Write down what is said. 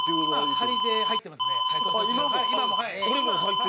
僕もで入ってますね。